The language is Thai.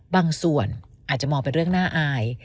บางส่วนอาจจะมองเป็นเรื่องน่าอาย